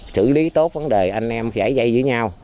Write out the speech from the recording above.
chữ lý tốt vấn đề anh em giải dây với nhau